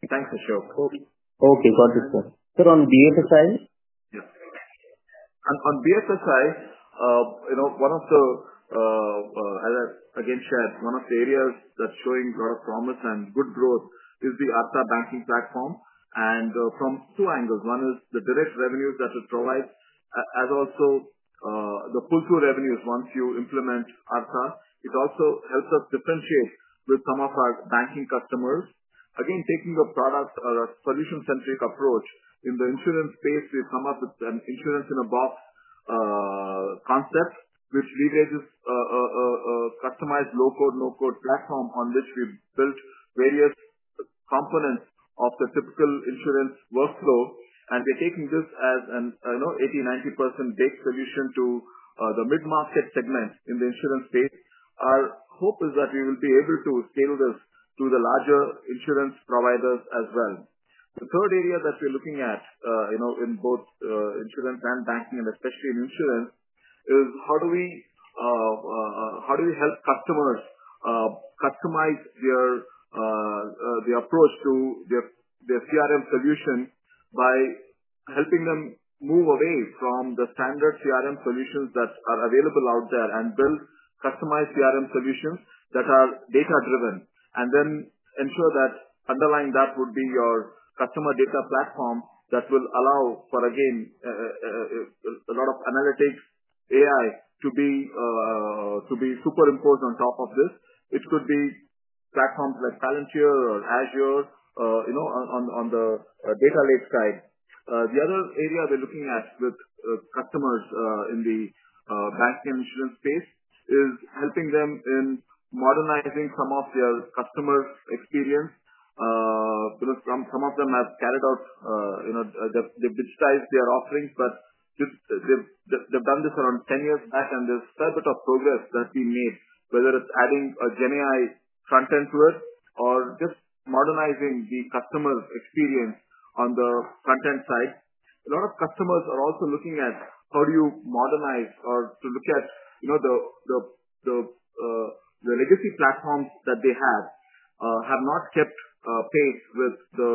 Thanks, Ashok. Okay. Got it, sir. So on BFSI? Yes. On BFSI, you know, one of the, as I again shared, one of the areas that's showing a lot of promise and good growth is the Artha banking platform. And from two angles, one is the direct revenues that it provides, as also the pull-through revenues once you implement Artha. It also helps us differentiate with some of our banking customers. Again, taking a product or a solution-centric approach in the insurance space, we've come up with an Insurance-in-a-Box concept, which leverages a customized low-code, no-code platform on which we've built various components of the typical insurance workflow. And we're taking this as an 80%-90% baked solution to the mid-market segment in the insurance space. Our hope is that we will be able to scale this to the larger insurance providers as well. The third area that we're looking at, you know, in both insurance and banking, and especially in insurance, is how do we help customers customize their approach to their CRM solution by helping them move away from the standard CRM solutions that are available out there and build customized CRM solutions that are data-driven and then ensure that underlying that would be your customer data platform that will allow for, again, a lot of analytics, AI to be superimposed on top of this. It could be platforms like Palantir or Azure, you know, on the data lake side. The other area we're looking at with customers in the banking and insurance space is helping them in modernizing some of their customer experience. You know, some of them have carried out, you know, they've digitized their offerings, but they've done this around 10 years back, and there's quite a bit of progress that we've made, whether it's adding a GenAI front-end to it or just modernizing the customer experience on the front-end side. A lot of customers are also looking at how do you modernize or to look at, you know, the legacy platforms that they have have not kept pace with the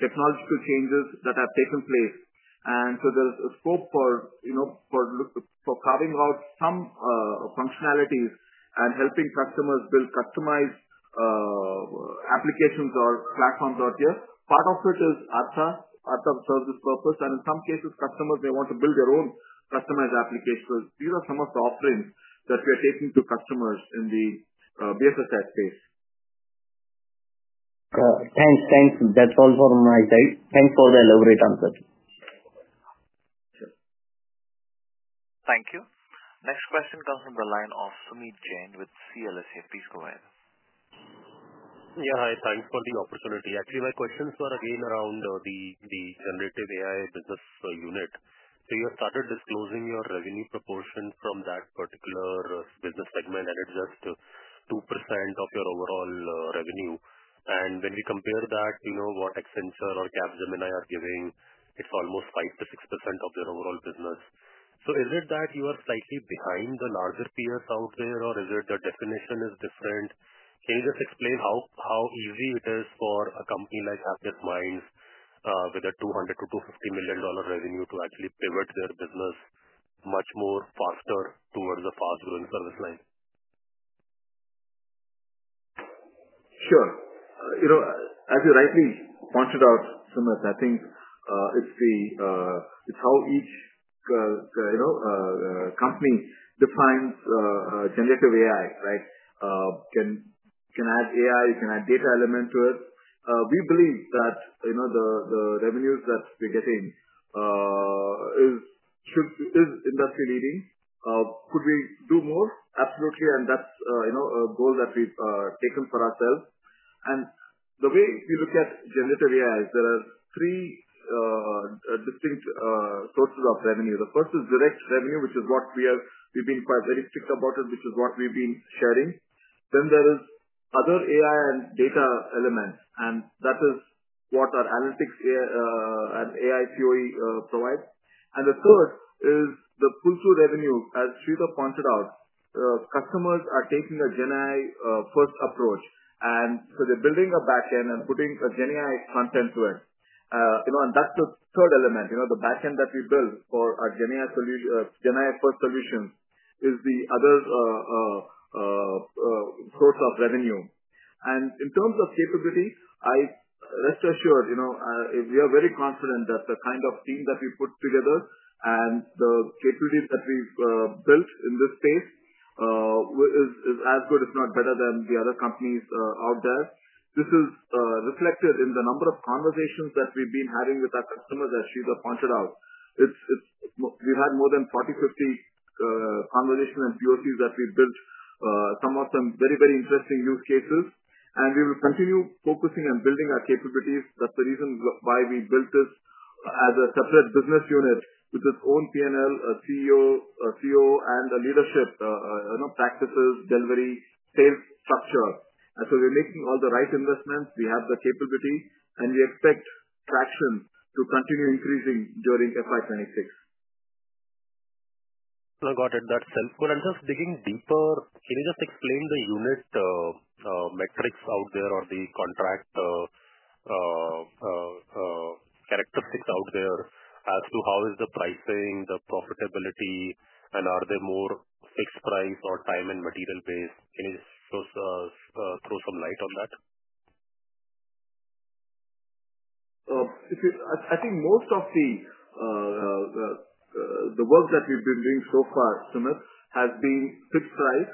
technological changes that have taken place. There is a scope for, you know, for carving out some functionalities and helping customers build customized applications or platforms out here. Part of it is Artha, Artha for service purpose. In some cases, customers, they want to build their own customized applications. These are some of the offerings that we are taking to customers in the BFSI space. Thanks. That's all from my side. Thanks for the elaborate answers. Sure. Thank you. Next question comes from the line of Sumeet Jain with CLSA. Please go ahead. Yeah. Hi. Thanks for the opportunity. Actually, my questions were again around the Generative AI business unit. So you have started disclosing your revenue proportion from that particular business segment, and it's just 2% of your overall revenue. When we compare that, you know, what Accenture or Capgemini are giving, it's almost 5-6% of their overall business. Is it that you are slightly behind the larger peers out there, or is it the definition is different? Can you just explain how easy it is for a company like Happiest Minds with a $200-$250 million revenue to actually pivot their business much more faster towards a fast-growing service line? Sure. You know, as you rightly pointed out, Sumeet, I think it's how each, you know, company defines generative AI, right? Can add AI, can add data element to it. We believe that, you know, the revenues that we're getting should be industry-leading. Could we do more? Absolutely. That is, you know, a goal that we've taken for ourselves. The way we look at generative AI, there are three distinct sources of revenue. The first is direct revenue, which is what we have—we've been quite very strict about it, which is what we've been sharing. Then there are other AI and data elements, and that is what our analytics and AI POE provide. The third is the pull-through revenue. As Sridhar pointed out, customers are taking a GenAI-first approach, and they are building a backend and putting a GenAI front-end to it. You know, and that's the third element. You know, the backend that we build for our GenAI-first solutions is the other source of revenue. In terms of capability, I rest assured, you know, we are very confident that the kind of team that we've put together and the capabilities that we've built in this space is as good, if not better, than the other companies out there. This is reflected in the number of conversations that we've been having with our customers, as Sridhar pointed out. We've had more than 40, 50 conversations and POCs that we've built, some of them very, very interesting use cases. We will continue focusing and building our capabilities. That's the reason why we built this as a separate business unit with its own P&L, a CEO, COO, and leadership, you know, practices, delivery, sales structure. We are making all the right investments. We have the capability, and we expect traction to continue increasing during FY 2026. Got it. That's helpful. Just digging deeper, can you just explain the unit metrics out there or the contract characteristics out there as to how is the pricing, the profitability, and are they more fixed price or time and material-based? Can you just throw some light on that? I think most of the work that we've been doing so far, Sumeet, has been fixed price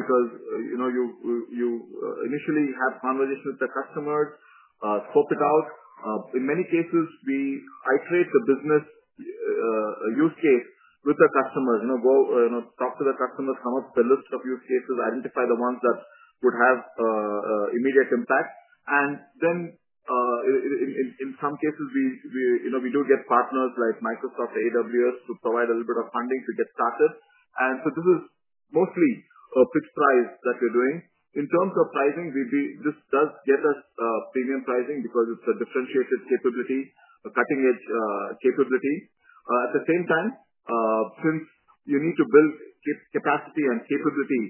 because, you know, you initially have conversations with the customers, scope it out. In many cases, we iterate the business use case with the customers, you know, go and talk to the customers, come up with a list of use cases, identify the ones that would have immediate impact. In some cases, we, you know, we do get partners like Microsoft, AWS to provide a little bit of funding to get started. This is mostly a fixed price that we're doing. In terms of pricing, this does get us premium pricing because it's a differentiated capability, a cutting-edge capability. At the same time, since you need to build capacity and capability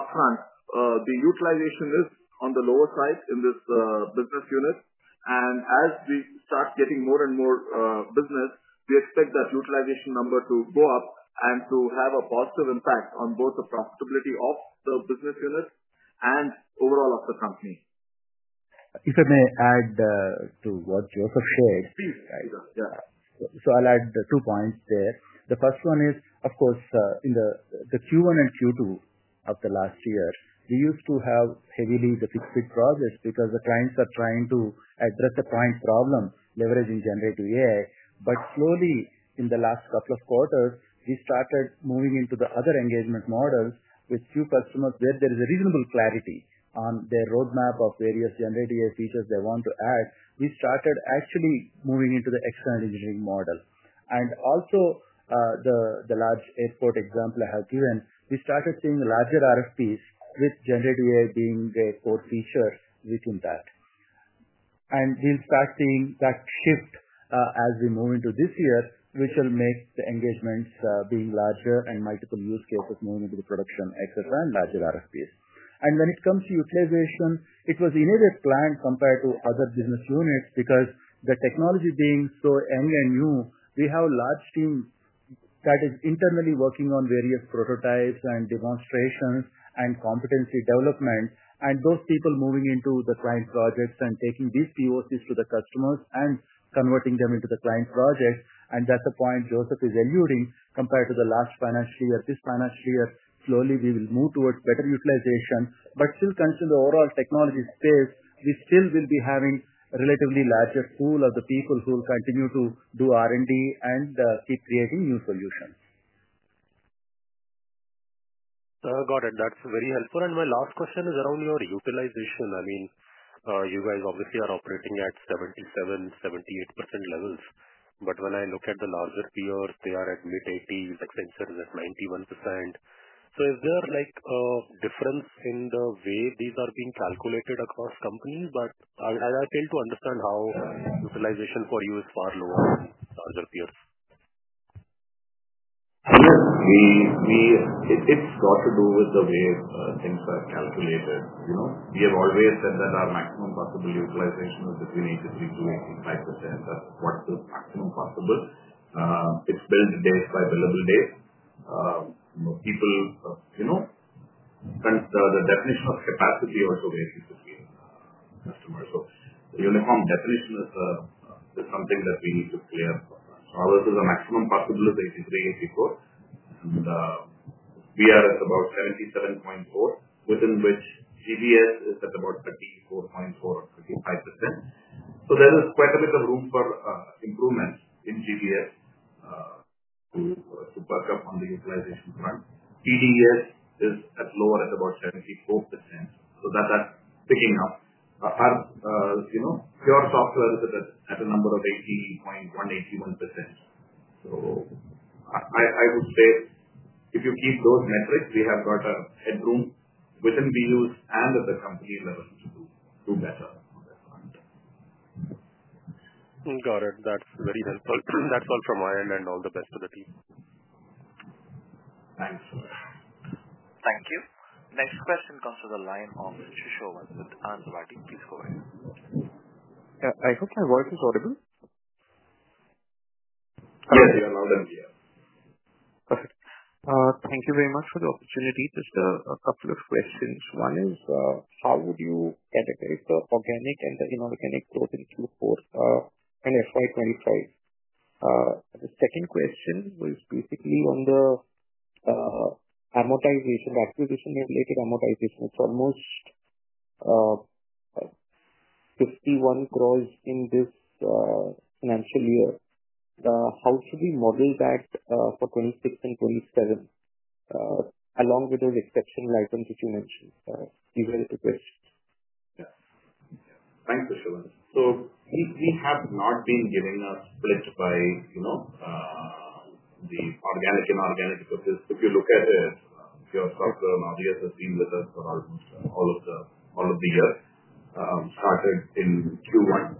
upfront, the utilization is on the lower side in this business unit. As we start getting more and more business, we expect that utilization number to go up and to have a positive impact on both the profitability of the business unit and overall of the company. If I may add to what Joseph shared, right? Please. Yeah. I'll add two points there. The first one is, of course, in Q1 and Q2 of the last year, we used to have heavily the fixed-fit projects because the clients are trying to address the client problem leveraging generative AI. Slowly, in the last couple of quarters, we started moving into the other engagement models with few customers where there is a reasonable clarity on their roadmap of various generative AI features they want to add. We started actually moving into the external engineering model. Also, the large airport example I have given, we started seeing larger RFPs with generative AI being a core feature within that. We'll start seeing that shift as we move into this year, which will make the engagements larger and multiple use cases moving into the production exercise and larger RFPs. When it comes to utilization, it was inadvertently planned compared to other business units because the technology being so end-to-end new, we have a large team that is internally working on various prototypes and demonstrations and competency development, and those people moving into the client projects and taking these POCs to the customers and converting them into the client projects. That is a point Joseph is alluding compared to the last financial year. This financial year, slowly, we will move towards better utilization. Still, considering the overall technology space, we still will be having a relatively larger pool of the people who will continue to do R&D and keep creating new solutions. Got it. That's very helpful. My last question is around your utilization. I mean, you guys obviously are operating at 77%-78% levels. When I look at the larger peers, they are at mid-80s. Accenture is at 91%. Is there like a difference in the way these are being calculated across companies? I fail to understand how utilization for you is far lower than larger peers. Sure. It's got to do with the way things are calculated. You know, we have always said that our maximum possible utilization is between 83%-85%. That's what's the maximum possible. It's built day by billable day. People, you know, the definition of capacity also varies between customers. So the uniform definition is something that we need to clear. So ours is a maximum possible is 83%-84%. And we are at about 77.4%, within which GBS is at about 34.4% or 35%. So there is quite a bit of room for improvement in GBS to perk up on the utilization front. PDS is at lower, at about 74%. That's picking up. You know, PureSoftware is at a number of 80.1%-81%. I would say if you keep those metrics, we have got a headroom within BUs and at the company level to do better on that front. Got it. That's very helpful. That's all from my end, and all the best to the team. Thanks. Thank you. Next question comes from the line of Sushovan with Anand Rathi. Please go ahead. Yeah. I hope my voice is audible. Yes. You're loud and clear. Perfect. Thank you very much for the opportunity. Just a couple of questions. One is, how would you categorize the organic and the inorganic growth in Q4 and FY 2025? The second question was basically on the amortization, the acquisition-related amortization. It's almost 51% growth in this financial year. How should we model that for 2026 and 2027 along with those exceptional items that you mentioned? These are the questions. Yeah. Thanks, Sushovan. So we have not been given a split by, you know, the organic and inorganic because if you look at it, PureSoftware and RDS has been with us for almost all of the year, started in Q1,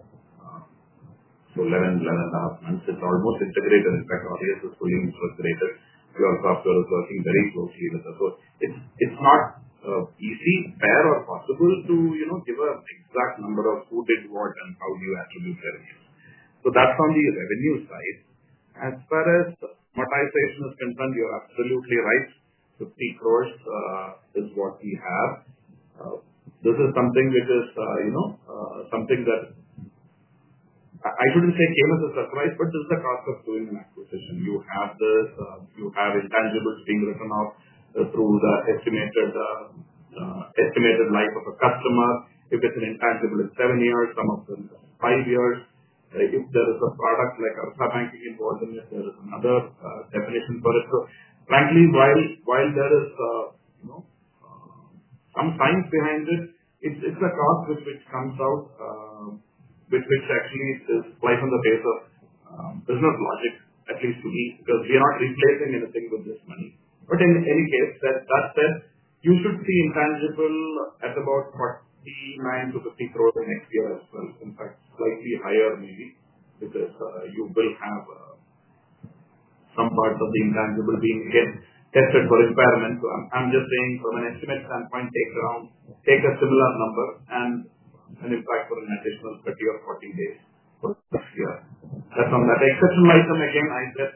so 11-11.5 months. It's almost integrated. In fact, RDS is fully integrated. PureSoftware is working very closely with us. So it's not easy, fair, or possible to, you know, give an exact number of who did what and how you attribute revenues. So that's on the revenue side. As far as amortization is concerned, you're absolutely right. 50 crores is what we have. This is something which is, you know, something that I shouldn't say came as a surprise, but this is the cost of doing an acquisition. You have the intangibles being written off through the estimated life of a customer. If it's an intangible, it's seven years. Some of them are five years. If there is a product like Artha Banking involved in it, there is another definition for it. So frankly, while there is, you know, some science behind it, it's a cost which comes out with which actually is life on the face of business logic, at least to me, because we are not replacing anything with this money. In any case, that said, you should see intangible at about 49-50 crores next year as well. In fact, slightly higher maybe because you will have some parts of the intangible being again tested for impairment. I'm just saying from an estimate standpoint, take around, take a similar number and an impact for an additional 30 or 40 days for this year. That's on that. Exceptional item, again, I said,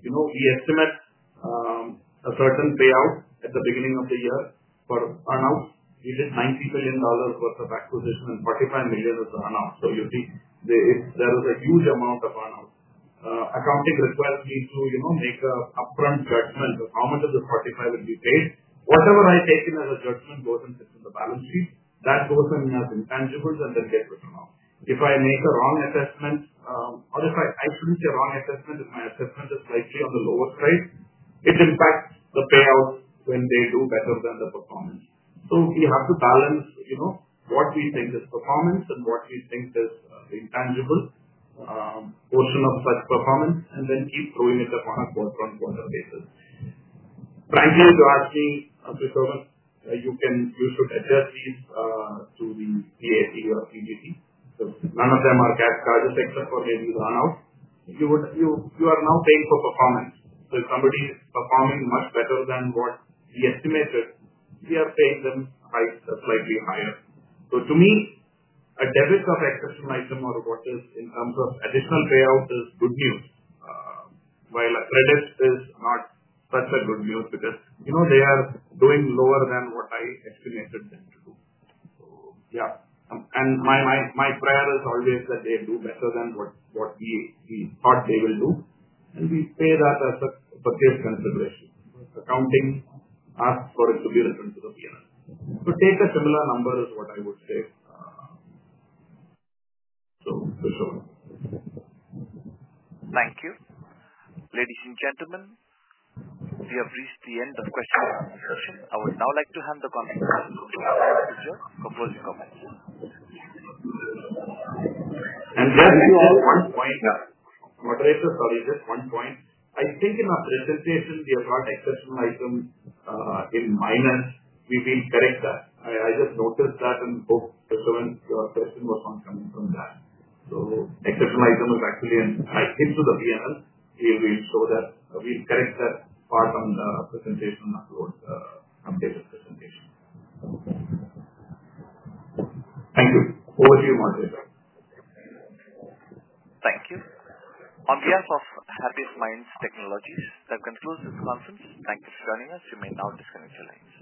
you know, we estimate a certain payout at the beginning of the year for earnouts. We did $90 million worth of acquisition and $45 million is the earnout. So you see, there is a huge amount of earnouts. Accounting requires me to, you know, make an upfront judgment of how much of the $45 million will be paid. Whatever I take in as a judgment goes and sits in the balance sheet. That goes in as intangibles and then gets written off. If I make a wrong assessment, or if I should not say wrong assessment, if my assessment is slightly on the lower side, it impacts the payouts when they do better than the performance. We have to balance, you know, what we think is performance and what we think is intangible portion of such performance and then keep throwing it up on a quarter-on-quarter basis. Frankly, if you ask me, Sushovan, you should adjust these to the PAP or PGT because none of them are cash charges except for maybe the earnouts. You are now paying for performance. If somebody is performing much better than what we estimated, we are paying them a slightly higher. To me, a debit of exceptional item or what is in terms of additional payout is good news, while a credit is not such good news because, you know, they are doing lower than what I estimated them to do. Yeah. My prayer is always that they do better than what we thought they will do. We pay that as a purchase consideration. Accounting asks for it to be written to the P&L. Take a similar number is what I would say. Sushovan. Thank you. Ladies and gentlemen, we have reached the end of question and answer session. I would now like to hand the conference [AUDIO DISTORTION] for closing comments. Just to add one point, moderator, sorry, just one point. I think in our presentation, we have got exceptional item in minus. We will correct that. I just noticed that and hope Sushovan's question was not coming from that. Exceptional item is actually in, I think, to the P&L. We will show that. We'll correct that part on the presentation upload, updated presentation. Thank you. Over to you, moderator. Thank you. On behalf of Happiest Minds Technologies, that concludes this conference. Thank you for joining us. You may now disconnect your lines.